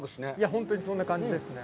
本当にそんな感じですね。